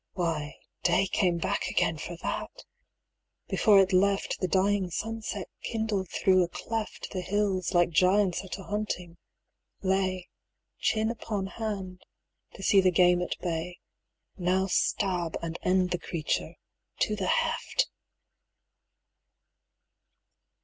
why, day Came back again for that! before it left, The dying sunset kindled through a cleft; The hills, like giants at a hunting, lay, 190 Chin upon hand, to see the game at bay "Now stab and end the creature to the heft!"